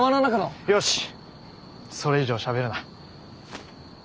それ以上しゃべるな。